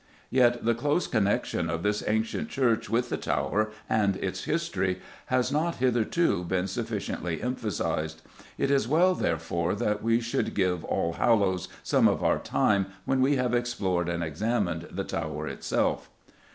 Yet the close connection of this ancient church with the Tower and its history has not, hitherto, been sufficiently emphasised. It is well, therefore, that we should give Allhallows some of our time when we have explored and examined the Tower itself.